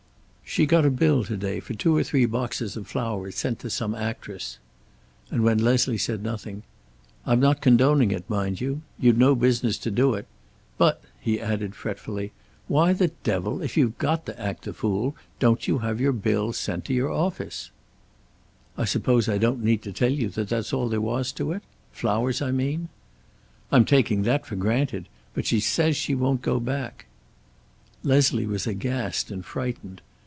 "She got a bill to day for two or three boxes of flowers, sent to some actress." And when Leslie said nothing, "I'm not condoning it, mind you. You'd no business to do it. But," he added fretfully, "why the devil, if you've got to act the fool, don't you have your bills sent to your office?" "I suppose I don't need to tell you that's all there was to it? Flowers, I mean." "I'm taking that for granted. But she says she won't go back." Leslie was aghast and frightened.